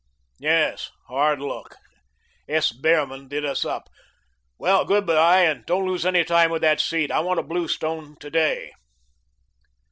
Yes, hard luck. S. Behrman did us up. Well, good bye, and don't lose any time with that seed. I want to blue stone to day."